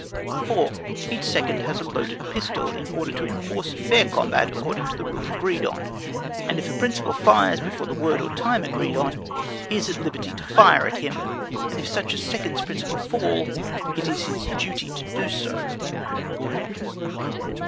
4. Each second has a loaded pistol, in order to enforce a fair combat according to the rules agreed on; and if a principal fires before the word or time agreed on, he is at liberty to fire at him, and if such second's principal fall, it is his duty to do so.